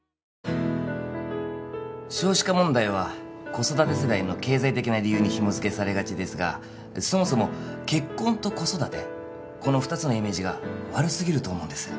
少子化問題は子育て世代の経済的な理由にひもづけされがちですがそもそも結婚と子育てこの二つのイメージが悪すぎると思うんです